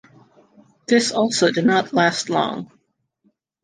This also did not last long.